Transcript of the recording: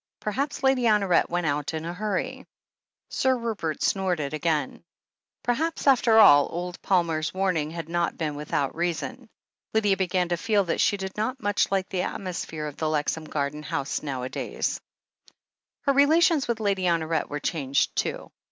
Perhaps Lady Honoret went out in a hurry." Sir Rupert snorted again. Perhaps, after all, old Mr. Palmer's warnings had not been without reason. Lydia began to feel that she did not much like the atmosphere of the Lexham Gar dens house nowadays. THE HEEL OF ACHILLES 293 Her relations with Lady Honoret were changed, too.